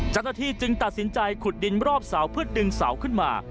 เจ้าหน้าที่จึงตัดสินใจขุดดินรอบเสาเพื่อดึงเสาขึ้นมา